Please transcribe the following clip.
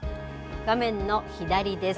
画面の左です。